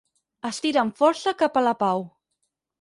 Estira amb força cap a la pau.